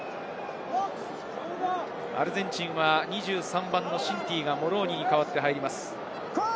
アルゼンチンは２３番のシンティがモローニに代わって入ります。